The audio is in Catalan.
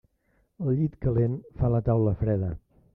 El llit calent fa la taula freda.